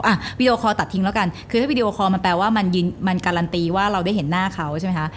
วีดีโอคอลตัดทิ้งแล้วกันคือถ้าวีดีโอคอลมันแปลว่ามันการันตีว่าเราได้เห็นหน้าเขาใช่ไหมคะ